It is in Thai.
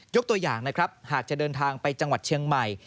ตัวอย่างนะครับหากจะเดินทางไปจังหวัดเชียงใหม่